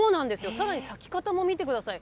さらに咲き方も見てください。